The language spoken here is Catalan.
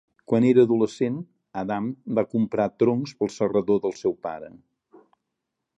Quan era adolescent, Adam va comprar troncs per al serrador del seu pare.